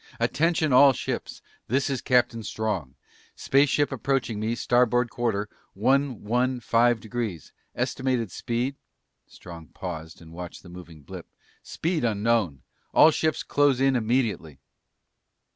"Attention all ships! This is Captain Strong. Spaceship approaching me, starboard quarter, one one five degrees. Estimated speed " Strong paused and watched the moving blip. "Speed unknown. All ships close in immediately!"